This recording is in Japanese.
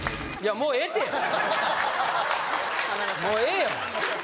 もうええよ